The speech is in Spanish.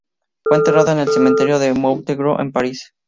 Fue enterrada en el Cementerio de Montrouge, en París.